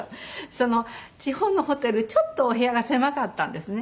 その地方のホテルちょっとお部屋が狭かったんですね。